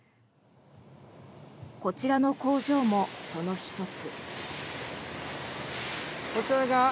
こちらの工場もその１つ。